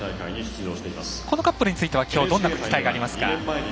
このカップルについてはきょう、どんな期待がありますか。